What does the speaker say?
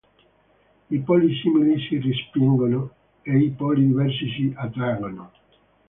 I poli simili si respingono e i poli diversi si attraggono.